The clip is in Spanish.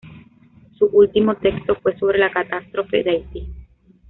Su último texto fue sobre la catástrofe de Haití.